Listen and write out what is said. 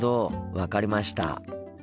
分かりました。